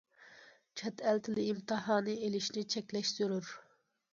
چەت ئەل تىلى ئىمتىھانى ئېلىشنى چەكلەش زۆرۈر.